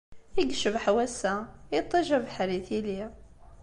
I yecbeḥ wass-a! Iṭij, abeḥri, tili.